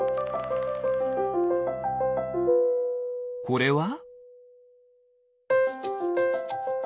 これは？